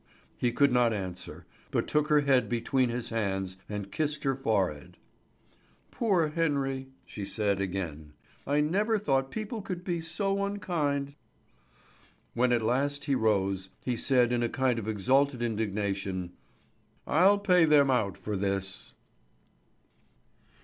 He could not answer, but took her head between his hands and kissed her forehead. "Poor Henry!" she said again. "I never thought people could be so unkind." When at last he rose, he said in a kind of exalted indignation: "I'll pay them out for this!"